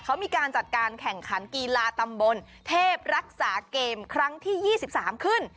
เขามีการจัดการแข่งขันกีฬาตำบลเทพรักษาเกมครั้งที่๒๓ขึ้น